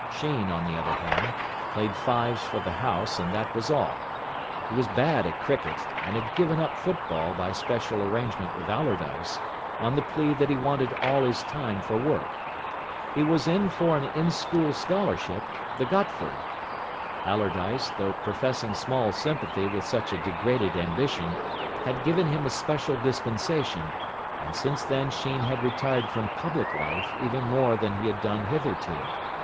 Sheen, on the other hand, played fives for the house, and that was all. He was bad at cricket, and had given up football by special arrangement with Allardyce, on the plea that he wanted all his time for work. He was in for an in school scholarship, the Gotford. Allardyce, though professing small sympathy with such a degraded ambition, had given him a special dispensation, and since then Sheen had retired from public life even more than he had done hitherto.